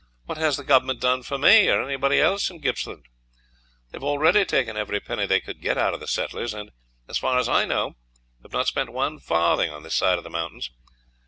What has the Government done for me or anybody else in Gippsland? They have already taken every penny they could get out of the settlers, and, as far as I know, have not spent one farthing on this side of the mountains.